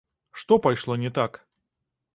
Што пайшло не так?